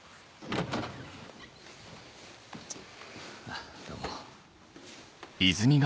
あっどうも。